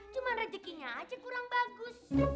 cuma rezekinya aja kurang bagus